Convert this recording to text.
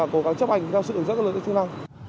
cố gắng chấp hành theo sự hướng dẫn